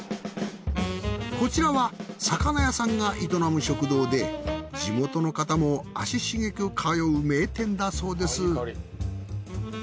こちらは魚屋さんが営む食堂で地元の方も足しげく通う名店だそうです。